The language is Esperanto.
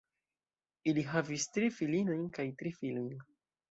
Ili havis tri filinojn kaj tri filojn.